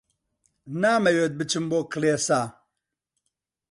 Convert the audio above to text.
نامەوێت بچم بۆ کڵێسا.